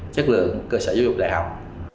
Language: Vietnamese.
chất lượng cơ sở du lục đại học